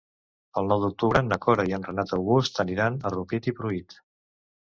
El nou d'octubre na Cora i en Renat August aniran a Rupit i Pruit.